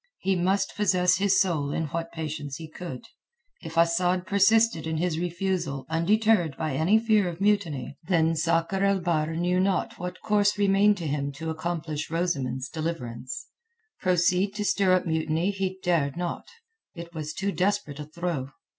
He must possess his soul in what patience he could. If Asad persisted in his refusal undeterred by any fear of mutiny, then Sakr el Bahr knew not what course remained him to accomplish Rosamund's deliverance. Proceed to stir up mutiny he dared not. It was too desperate a throw.